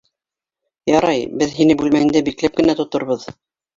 Ярай, беҙ һине бүлмәңдә бикләп кенә тоторбоҙ...